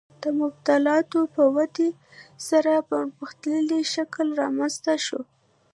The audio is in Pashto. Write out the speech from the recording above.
د مبادلاتو په ودې سره پرمختللی شکل رامنځته شو